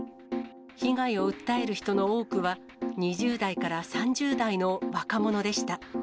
被害を訴える人の多くは、２０代から３０代の若者でした。